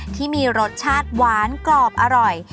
ที่มีรสชาติหวานกรอบอร่อย